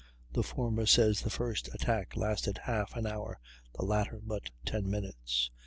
The former says the first attack lasted half an hour; the latter, but 10 minutes.